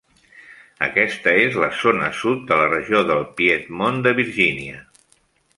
Aquesta és la zona sud de la regió del Piedmont de Virginia.